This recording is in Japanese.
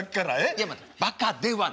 いやバカではない。